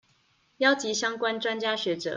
邀集相關專家學者